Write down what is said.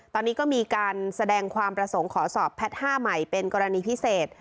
ตอนนี้ก็มีการแสดงความประสงค์ขอสอบแพทย์๕ใหม่เป็นกรณีพิเศษ